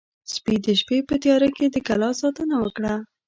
سپي د شپې په تیاره کې د کلا ساتنه وکړه.